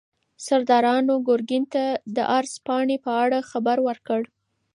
سردارانو ګورګین ته د عرض پاڼې په اړه خبر ورکړ.